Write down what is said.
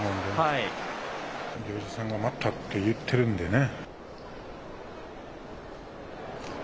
行司さんが待ったって言ってるんでね。